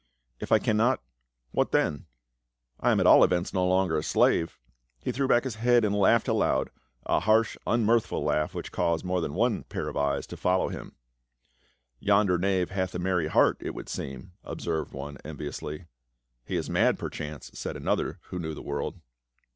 " If I cannot — what then ? I am at all events no longer a slave." He threw back his head and laughed aloud, a harsh unmirthful laugh which caused more than one pair of eyes to follow him. " Yonder knave hath a merr\ heart, it would seem," observed one enviously. "He is mad, perchance," said another, who knew the world.